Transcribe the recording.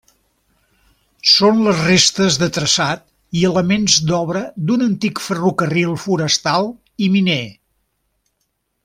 Són les restes de traçat i elements d'obra d'un antic ferrocarril forestal i miner.